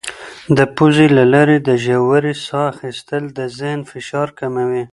د پوزې له لارې د ژورې ساه اخیستل د ذهن فشار کموي.